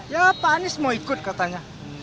ya pak anies mau ikut katanya